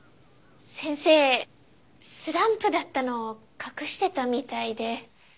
先生スランプだったのを隠してたみたいで。